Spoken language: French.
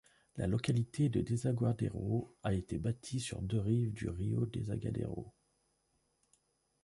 La localité de Desaguadero a été bâtie sur les deux rives du Río Desagadero.